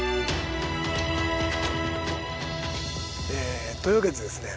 えというわけでですね。